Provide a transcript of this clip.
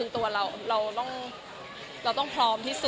ตัวเราเราต้องพร้อมที่สุด